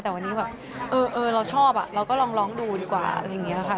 แต่วันนี้แบบเออเราชอบเราก็ลองดูดีกว่าอะไรอย่างนี้ค่ะ